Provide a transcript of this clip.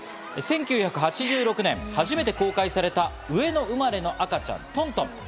１９８６年、初めて公開された上野生まれの赤ちゃん、トントン。